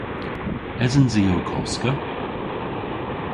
Esens i ow koska?